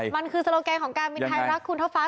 มันคือโซโลแกนของการบินไทยรักคุณท็อฟ้า